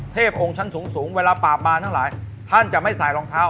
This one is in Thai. องค์ชั้นสูงเวลาปราบบานทั้งหลายท่านจะไม่ใส่รองเท้า